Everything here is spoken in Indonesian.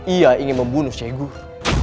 ia ingin membunuh syegur